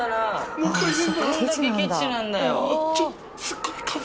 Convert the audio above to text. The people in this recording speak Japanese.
すごい風。